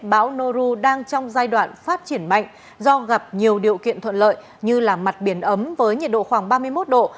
bão noru đang trong giai đoạn phát triển mạnh do gặp nhiều điều kiện thuận lợi như là mặt biển ấm với nhiệt độ khoảng ba mươi một độ